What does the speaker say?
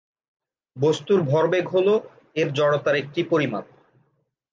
বস্তুর ভরবেগ হল এর জড়তার একটি পরিমাপ।